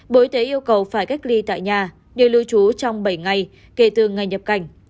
bộ y tế yêu cầu phải cách ly tại nhà nơi lưu trú trong bảy ngày kể từ ngày nhập cảnh